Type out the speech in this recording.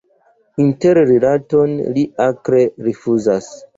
Interrilaton li akre rifuzas.